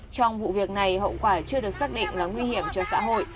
trường hợp này hậu quả chưa được xác định là nguy hiểm cho xã hội